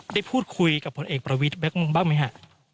ได้พูดคุยกับผลเอกประวิดแบบบ้างไหมฮะ